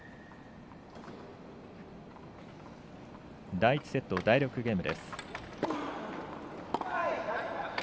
第１セット、第６ゲーム。